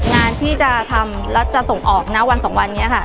งานที่จะทำแล้วจะส่งออกณวันสองวันนี้ค่ะ